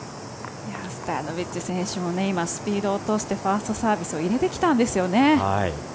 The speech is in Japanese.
ストヤノビッチ選手もスピードを落としてファーストサービスを入れてきたんですよね。